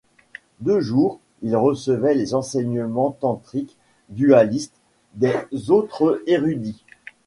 De jour, il recevait les enseignements tantriques dualistes des autres érudits.